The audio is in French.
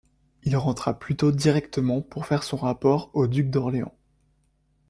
Il rentra plutôt directement pour faire son rapport au duc d'Orléans.